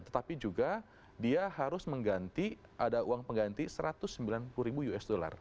tetapi juga dia harus mengganti ada uang pengganti satu ratus sembilan puluh ribu usd